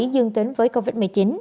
dương tính với covid một mươi chín